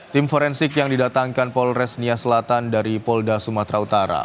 tim forensik yang didatangkan polres nia selatan dari polda sumatera utara